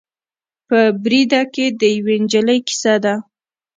په بریده کې د یوې نجلۍ کیسه ده.